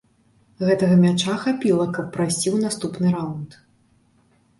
Гэтага мяча хапіла, каб прайсці ў наступны раўнд.